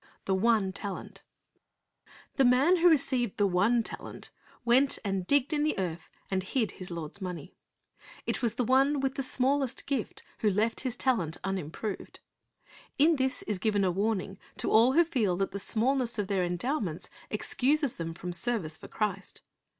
THE ONE TALENT The man who received the one talent "went and digged t>fc>^ in the earth, and hid his lord's money." It was the one with the smallest gift Avho left his talent unimpro\ed. In this is given a warning to all who feel that the smallness of their endowments excuses them from service for Christ.